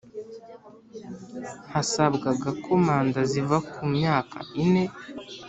hasabwaga ko manda ziva ku myaka ine,